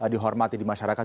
dihormati di masyarakat